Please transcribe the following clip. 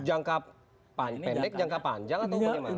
jangka pendek jangka panjang atau bagaimana